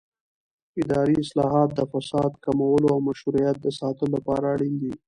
اداري اصلاحات د فساد کمولو او مشروعیت د ساتلو لپاره اړین دي